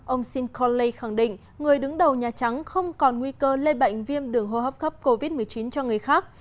ông shin conley khẳng định người đứng đầu nhà trắng không còn nguy cơ lây bệnh viêm đường hô hấp cấp covid một mươi chín cho người khác